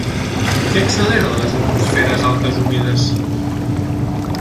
Què acceleren les atmosferes altes humides?